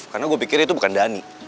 karena gue pikir itu bukan dhani